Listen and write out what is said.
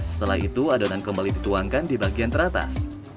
setelah itu adonan kembali dituangkan di bagian teratas